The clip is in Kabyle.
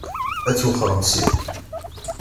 Ad twexxṛem syin?